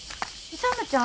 勇ちゃん